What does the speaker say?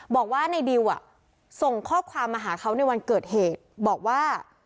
บอกว่าในดิวส่งข้อความมาหาเขาในวันเกิดเหตุบอกว่า